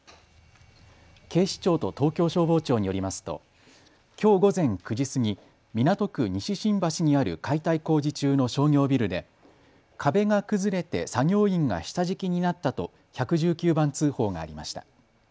警視庁と東京消防庁によりますときょう午前９時過ぎ、港区西新橋にある解体工事中の商業ビルで壁が崩れて作業員が下敷きになったと１１９番通報がありました。